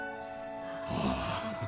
ああ。